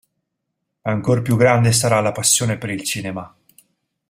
Ancor più grande sarà la passione per il cinema.